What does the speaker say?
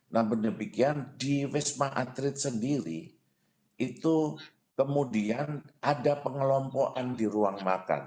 nah benda begini di wisma atlet sendiri itu kemudian ada pengelompokan di ruang makan